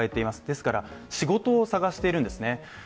ですから、仕事を探しているんですね。